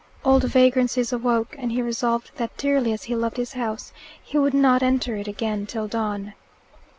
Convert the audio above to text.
Old vagrancies awoke, and he resolved that, dearly as he loved his house, he would not enter it again till dawn.